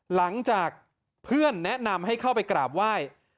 หลังจากเพื่อนแนะนำให้เข้าไปกราบไหว้